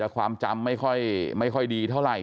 ความจำไม่ค่อยดีเท่าไหร่